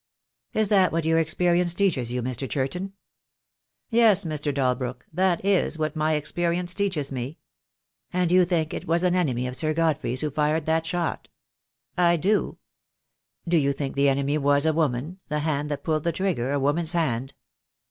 "Is that what your experience teaches you, Mr. Churton?" "Yes, Mr. Dalbrook, that is what my experience teaches me." "And you think it was an enemy of Sir Godfrey's who fired that shot?" "I do." "Do you think the enemy was a woman — the hand that pulled the trigger a woman's hand?"